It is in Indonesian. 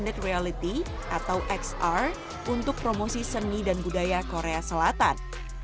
kedua terdiri dari standar realitas atau xr untuk promosi seni dan budaya korea selatan